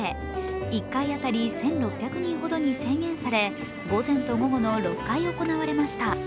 １回当たり１６００人ほどに制限され午前と午後の６回行われました。